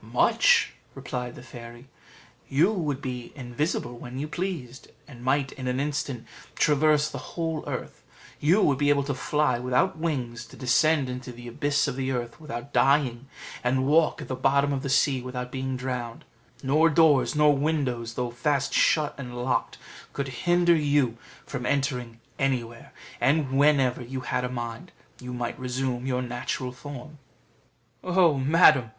"Much," replied the fairy; "you would be invisible when you pleased, and might in an instant traverse the whole earth; you would be able to fly without wings, to descend into the abyss of the earth without dying, and walk at the bottom of the sea without being drowned; nor doors, nor windows, though fast shut and locked, could hinder you from entering anywhere; and whenever you had a mind, you might resume your natural form." "Oh, madam!"